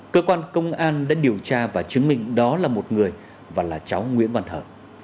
cơ quan công an đã điều tra và chứng minh đó là một người và là cháu nguyễn văn hợ